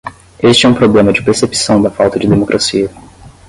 Este é um problema de percepção da falta de democracia.